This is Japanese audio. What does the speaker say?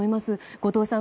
後藤さん